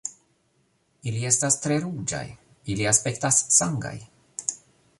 "Ili estas tre ruĝaj. Ili aspektas sangaj."